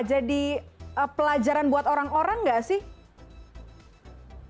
jadi pelajaran buat orang orang tidak sih